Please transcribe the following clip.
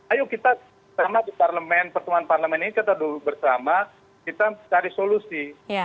ayo kita bersama di pertemuan parlemen ini kita bersama kita cari solusi